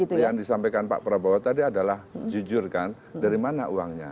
yang disampaikan pak prabowo tadi adalah jujur kan dari mana uangnya